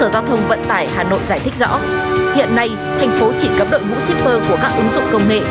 đội giải thích rõ hiện nay thành phố chỉ cấm đội vũ shipper của các ứng dụng công nghệ